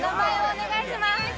お願いします